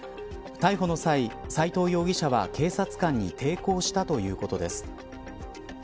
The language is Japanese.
逮捕の際斎藤容疑者は警察官に抵抗したということです。